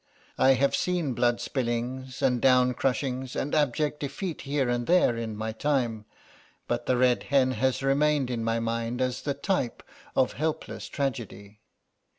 I have seen blood spillings and down crushings and abject defeat here and there in my time, but the red hen has remained in my mind as the type of helpless tragedy."